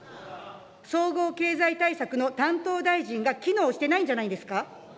総合経済対策の担当大臣が機能していないんじゃないですか。